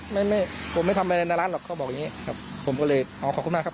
ไม่ไม่ผมไม่ทำอะไรในร้านหรอกเขาบอกอย่างงี้ครับผมก็เลยอ๋อขอบคุณมากครับ